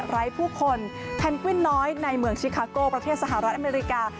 ผู้คนแพนกวินน้อยในเมืองชิคาโก้ประเทศสหรัฐอเมริกา